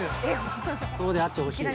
そうであってほしい。